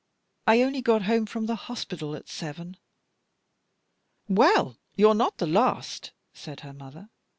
I only got home from the hospital at seven." "Well, you're not the last," said her mother.